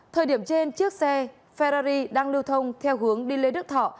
thời điểm trên chiếc xe ferrari đang lưu thông theo hướng đi lễ đức thọ